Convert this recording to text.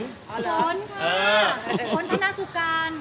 ฝนครับ